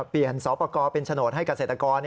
อะเปลี่ยนสวปกเป็นโฉนทให้เกษตรกรนะ